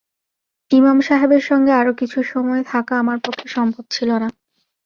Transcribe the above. ইমাম সাহেবের সঙ্গে আরো কিছু সময় থাকা আমার পক্ষে সম্ভব ছিল না।